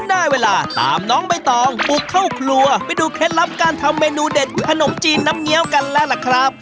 ได้เวลาตามน้องใบตองบุกเข้าครัวไปดูเคล็ดลับการทำเมนูเด็ดขนมจีนน้ำเงี้ยวกันแล้วล่ะครับ